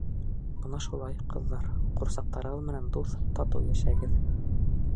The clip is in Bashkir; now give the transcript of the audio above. Бына шулай, ҡыҙҙар, ҡурсаҡтарығыҙ менән дуҫ, татыу йәшәгеҙ!